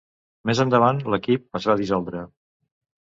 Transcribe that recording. Més endavant, l'equip es va dissoldre.